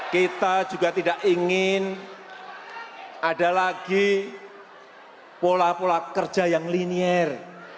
kita juga tidak ingin ada lagi pola pola kerja yang linear